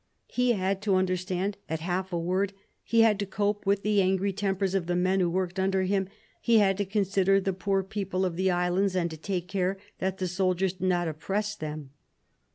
He had to understand " at half a word." He had to cope with the angry tempers of the men who worked under him ; he had to consider the poor people of the islands and to take care that the soldiers did not oppress them.